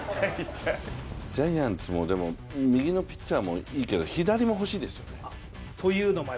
ジャイアンツも右のピッチャーもいいけど左もほしいですよね。